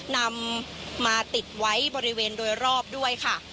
นำมาติดไว้บริเวณโดยรอบด้วยค่ะ